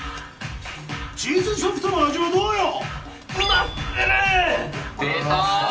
チーズソフトの味はどうよ⁉出た。